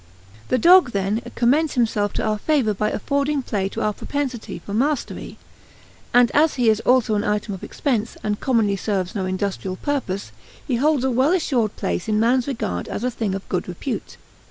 The dog, then, commends himself to our favor by affording play to our propensity for mastery, and as he is also an item of expense, and commonly serves no industrial purpose, he holds a well assured place in men's regard as a thing of good repute.